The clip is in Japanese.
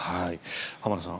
浜田さん